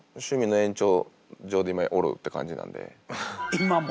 今も！？